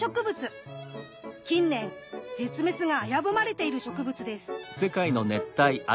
近年絶滅が危ぶまれている植物です。